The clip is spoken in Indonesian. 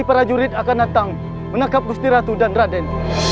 para jurid akan datang menangkap gusti ratu dan raden